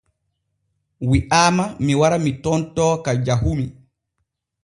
Wi’aama mi wara mi tontoo ko jahumi.